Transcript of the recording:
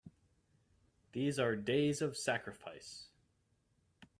These are days of sacrifice!